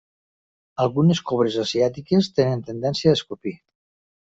Algunes cobres asiàtiques tenen tendència a escopir.